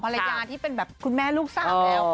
ที่เป็นแบบคุณแม่ลูกสามแล้ว